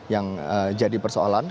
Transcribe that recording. yang jadi persoalan